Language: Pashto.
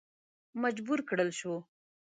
مجبور کړه شو.